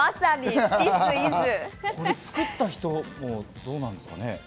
これ、作った人もどうなんですかね？